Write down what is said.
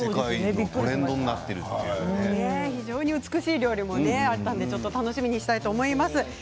非常に美しい料理もあったので楽しみにしたと思います。